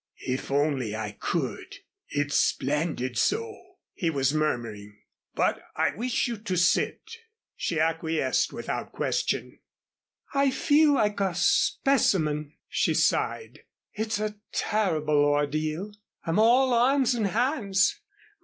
"If I only could it's splendid so," he was murmuring, "but I wish you to sit." She acquiesced without question. "I feel like a specimen," she sighed. "It's a terrible ordeal. I'm all arms and hands.